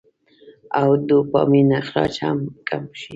او ډوپامين اخراج هم کم شي -